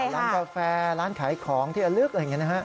ร้านกาแฟร้านขายของที่ระลึกอะไรอย่างนี้นะฮะ